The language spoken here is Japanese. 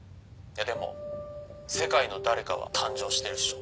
「でも世界の誰かは誕生してるでしょ」